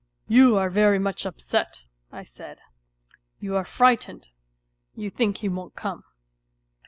"You are very much upset," I said; "you are frightened; you think he won't come."